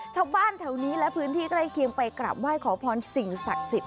ชาวบ้านแถวนี้และพื้นที่ใกล้เคียงไปกราบไหว้ขอพรสิ่งศักดิ์สิทธิ